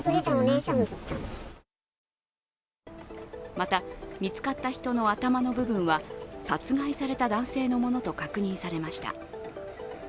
また、見つかった人の頭の部分は殺害された男性のものと確認されました。